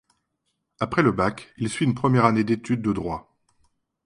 Après le bac, il suit une première année d'étude de droit.